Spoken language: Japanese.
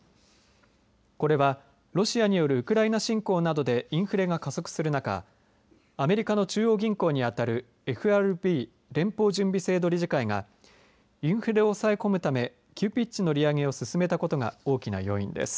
これはロシアによるウクライナ侵攻などでインフレが加速する中アメリカの中央銀行に当たるＦＲＢ、連邦準備制度理事会がインフレを抑え込むため急ピッチの利上げを進めたことが大きな要因です。